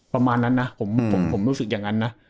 ประมาณนั้นนะผมรู้สึกอย่างนั้นนะ